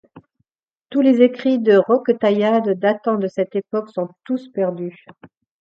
Tous les écrits de Roquetaillade datant de cette époque sont tous perdus.